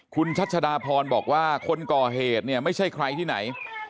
คุณชัชดาพรบอกว่าคนก่อเหตุเนี่ยไม่ใช่ใครที่ไหน